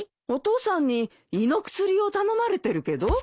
お父さんに胃の薬を頼まれてるけど。